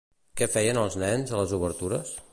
Què feien els nens, a les obertures?